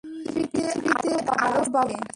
পৃথিবীতে আরো বাবা আছে!